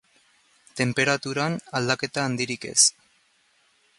Tenperaturan, aldaketa handirik ez.